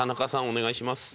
お願いします。